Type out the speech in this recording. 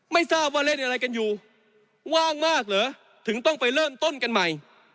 ไม่ทราบว่าเล่นอะไรกันอยู่ว่างมากเหรอถึงต้องไปเริ่มต้นกันใหม่